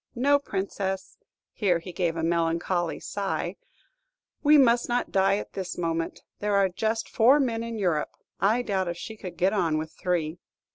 No, Princess," here he gave a melancholy sigh, "we must not die at this moment. There are just four men in Europe; I doubt if she could get on with three."